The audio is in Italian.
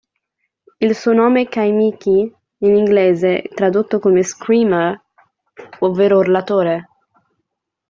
Il suo nome Kaimichi, in inglese tradotto come screamer, ovvero urlatore.